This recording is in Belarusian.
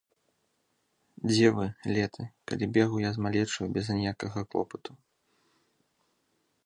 Дзе вы, леты, калі бегаў я з малечаю без аніякага клопату?